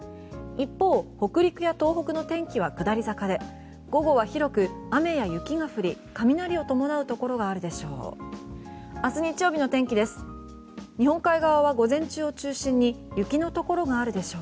一方、北陸や東北の天気は下り坂で午後は広く雨や雪が降り雷を伴うところがあるでしょう。